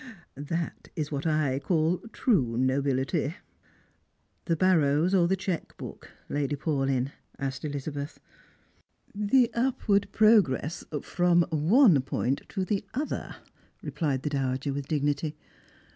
That is what I call true nobility." " The barrowB or the cheque book, Lady Paulyn P " asked Elizabeth. " The upward progress from one point to the other," replied the dowager with dignity.